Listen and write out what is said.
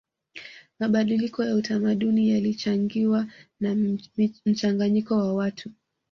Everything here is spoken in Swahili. mabadiliko ya utamaduni yalichangiwa na mchanganyiko wa watu